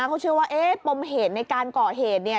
เขาเชื่อว่าเอ๊ะปมเหตุในการก่อเหตุเนี่ย